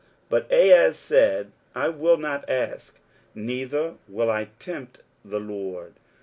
23:007:012 But Ahaz said, I will not ask, neither will I tempt the LORD.